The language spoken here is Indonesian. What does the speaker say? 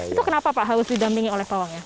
itu kenapa pak harus didampingi oleh pawangnya